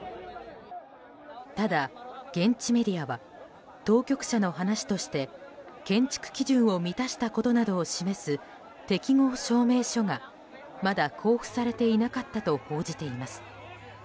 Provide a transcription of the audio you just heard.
ただ、現地メディアは当局者の話として建築基準を満たしたことなどを示す適合証明書がまだ交付されていなかったと報じています。